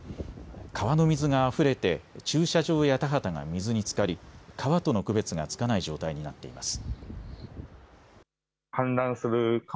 川の水があふれて駐車場や田畑が水につかり、川との区別がつかない状態になっています。